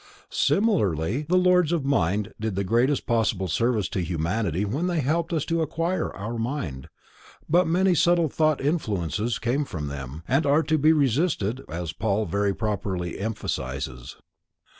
Similarly the Lords of Mind did the greatest possible service to humanity when they helped us to acquire our mind, but many subtle thought influences come from them, and are to be resisted, as Paul very properly emphasizes.